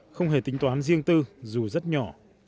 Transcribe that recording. không hề tính toán riêng tư dù rất nhỏ